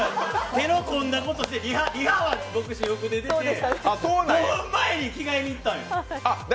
手の込んだことしてリハは私服で出て５分前に着替えに行ったんよ。